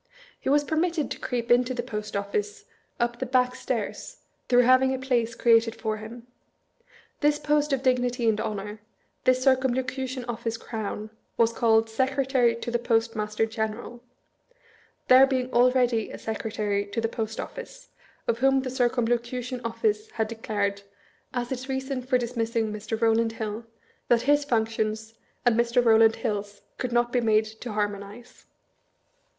He was permitted to creep into the Post Office up the back stairs, through having a place created for him. This post of dignity and honor, this Circumlo cution Office crown, was called "Secretary to the Post master General"; there being already a Secretary to the Post Office, of whom the Circumlocution Office had de clared, as its reason for dismissing Mr. Rowland Hill, that his functions and Mr. Eowland Hill's could not be made to harmonize.